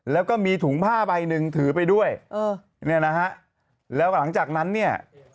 แล้วก็มีถุงผ้าใบนึงถือไปด้วยนะครับแล้วหลังจากนั้นเนี่ย